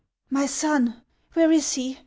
" My son ! Where is he ?